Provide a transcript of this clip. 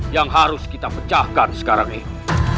yang harus kita pecahkan sekarang ini